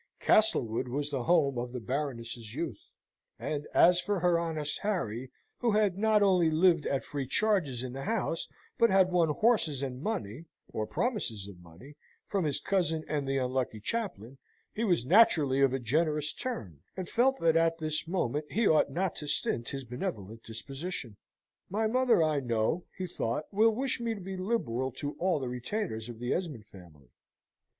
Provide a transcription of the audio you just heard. Castlewood was the home of the Baroness's youth; and as for her honest Harry, who had not only lived at free charges in the house, but had won horses and money or promises of money from his cousin and the unlucky chaplain, he was naturally of a generous turn, and felt that at this moment he ought not to stint his benevolent disposition. "My mother, I know," he thought, "will wish me to be liberal to all the retainers of the Esmond family."